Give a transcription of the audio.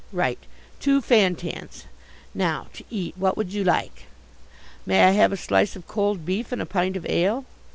Right? Two Fantans. Now to eat what would you like?" "May I have a slice of cold beef and a pint of ale?"